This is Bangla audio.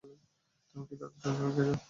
তুমি কি দাদুর চশমা ভেঙ্গেছ?